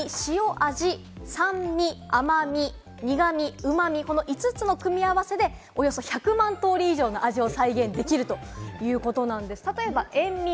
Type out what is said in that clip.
その５つの味の組み合わせが塩味、酸味、甘味、苦味、うま味、この５つの組み合わせでおよそ１００万通り以上の味を再現できるということなんです。